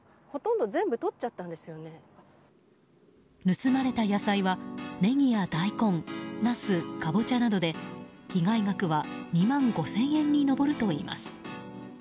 盗まれた野菜は、ネギや大根ナス、カボチャなどで被害額は２万５０００円に上るといいます。